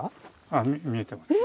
ああ見えてます。